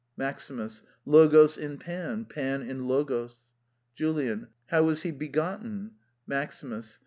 MAXIMUS. Logos in Pan, Pan in Logos. JULIAN. How is he begotten? MAXIMUS.